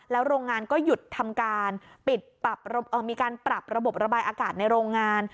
โรงงานก็หยุดทำการมีการปรับระบบระบายอากาศในโรงงาน